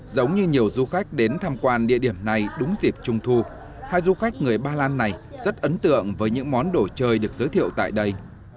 giống như nhiều du khách đến tham quan địa điểm này đúng dịp trung thu hai du khách người ba lan này rất ấn tượng với những món đồ chơi được giới thiệu tại đây